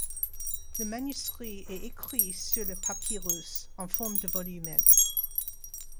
Le manuscrit est écrit sur le papyrus, en forme de volumen.